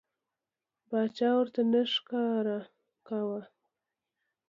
باچا ورته نه ښکاره کاوه.